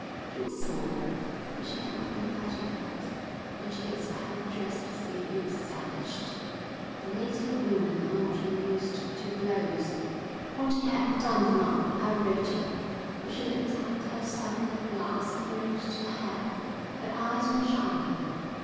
She was sore, but she had not been badly hurt, and she looked at her dress to see if it was damaged. The native women are not unused to blows. What he had done did not outrage her. When she looked at herself in the glass and arranged her hair, her eyes were shining.